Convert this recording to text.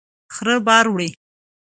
خره بار وړي.